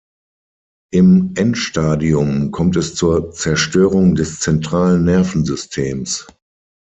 Im Endstadium kommt es zur Zerstörung des zentralen Nervensystems.